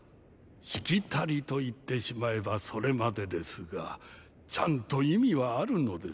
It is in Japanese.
「しきたり」と言ってしまえばそれまでですがちゃんと意味はあるのです。